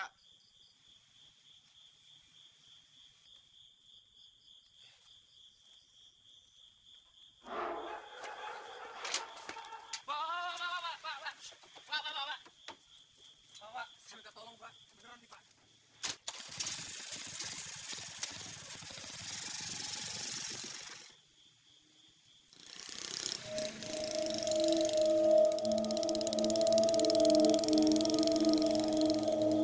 pak pak saya minta tolong pak beneran nih pak